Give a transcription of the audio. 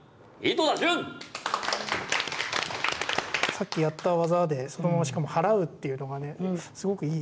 さっきやった技でそのまましかも「払う」っていうのがすごくいい。